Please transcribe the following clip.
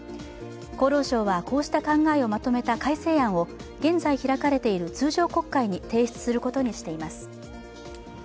厚労省はこうした考えをまとめた改正案を現在開かれている通常国会に提出することにしています。